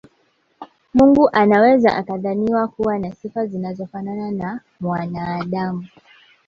Mungu anaweza akadhaniwa kuwa na sifa zinazofanana na za mwanaadamu